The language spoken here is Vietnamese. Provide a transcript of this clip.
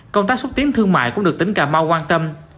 công tác xúc tiến thương mại cũng được tỉnh cà mau quan tâm